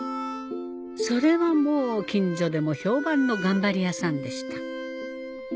それはもう近所でも評判の頑張り屋さんでした